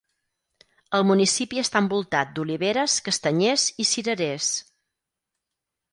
El municipi està envoltat d'oliveres, castanyers i cirerers.